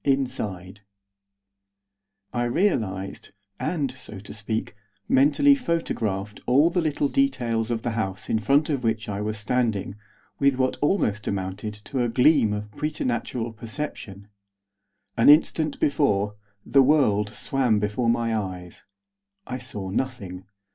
INSIDE I realised, and, so to speak, mentally photographed all the little details of the house in front of which I was standing with what almost amounted to a gleam of preternatural perception. An instant before, the world swam before my eyes. I saw nothing.